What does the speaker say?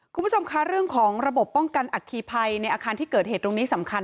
คุณผู้ชมคะเรื่องของระบบป้องกันอัคคีภัยในอาคารที่เกิดเหตุตรงนี้สำคัญ